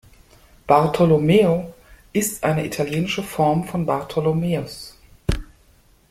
Bartolommeo ist eine italienische Form von Bartholomäus.